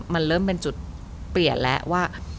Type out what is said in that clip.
มันเริ่มเป็นจุดเปลี่ยนแล้วว่า